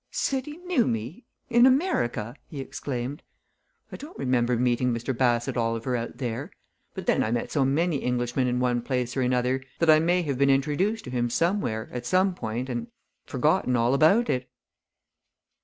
"Said he knew me in America?" he exclaimed. "I don't remember meeting Mr. Bassett Oliver out there. But then I met so many Englishmen in one place or another that I may have been introduced to him somewhere, at some time, and forgotten all about it."